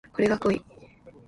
これが濃い